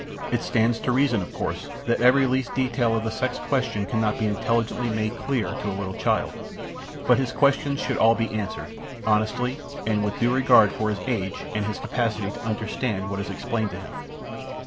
It stands to reason, of course, that every least detail of the sex question cannot be intelligently made clear to a little child. But his questions should all be answered, honestly, and with due regard for his age and his capacity to understand what is explained to him.